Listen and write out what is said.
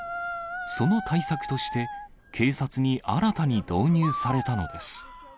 その対策として、警察に新たに導入されたのです。